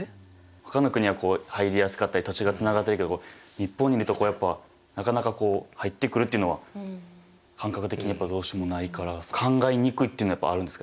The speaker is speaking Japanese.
ほかの国は入りやすかったり土地がつながってるけど日本にいるとやっぱなかなか入ってくるというのは感覚的にどうしてもないから考えにくいというのあるんですか？